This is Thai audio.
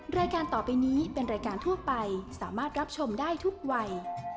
รายการต่อไปนี้เป็นรายการทั่วไปสามารถรับชมได้ทุกวัย